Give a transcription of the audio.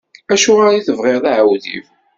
Acuɣer i tebɣiḍ aɛewdiw?